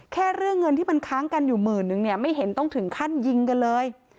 เรื่องเงินที่มันค้างกันอยู่หมื่นนึงเนี่ยไม่เห็นต้องถึงขั้นยิงกันเลย